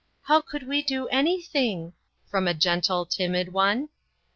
"How could we do anything?" from a gentle timid one.